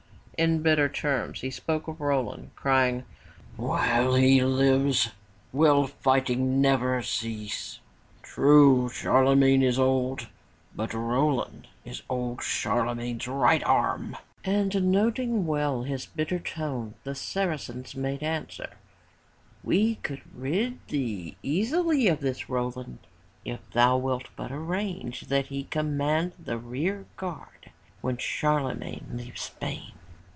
In bitter terms he spoke of Roland crying, ''While he lives, will fighting never cease. True, Charlemagne is old but Roland is old Charlemagne's right arm." And, noting well his bitter tone the Saracens made answer: We could rid thee easily of this Roland if thou wilt but arrange that he command the rear guard when Charlemagne leaves Spain."